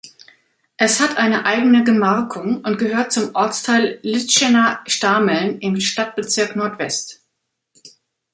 Es hat eine eigene Gemarkung und gehört zum Ortsteil Lützschena-Stahmeln im Stadtbezirk Nordwest.